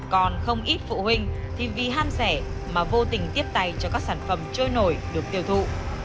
còn không ít phụ huynh thì vì ham rẻ mà vô tình tiếp tay cho các sản phẩm trôi nổi được tiêu thụ